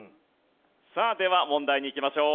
さあでは問題にいきましょう。